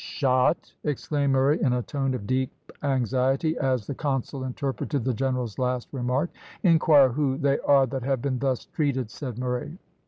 "Shot!" exclaimed Murray, in a tone of deep anxiety, as the consul interpreted the general's last remark; "inquire who they are that have been thus treated," said Murray.